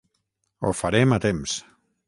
Ho farem a temps.